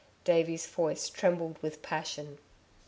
Davey's voice trembled with passion.